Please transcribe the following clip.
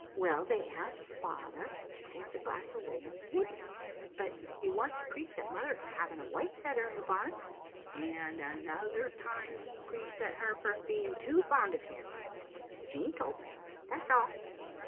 Well, they asked father to take the glass away, and he wouldn't; but he once preached at mother for having a white feather in her bonnet, and another time he preached at her for being too fond of him. Jean told me. That's all."